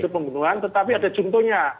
pembunuhan tetapi ada jumto nya